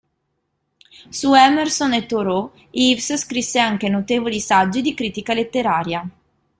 Su Emerson e Thoreau Ives scrisse anche notevoli saggi di critica letteraria.